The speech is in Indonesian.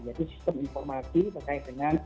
jadi sistem informasi berkait dengan